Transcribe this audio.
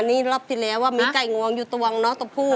นี่รอบที่แล้วว่ามีไก่งวงอยู่ตวงเนาะตัวผู้